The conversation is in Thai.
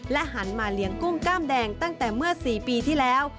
หันมาเลี้ยงกุ้งกล้ามแดงตั้งแต่เมื่อ๔ปีที่แล้ว